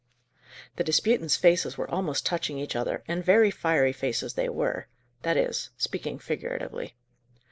The disputants' faces were almost touching each other, and very fiery faces they were that is, speaking figuratively.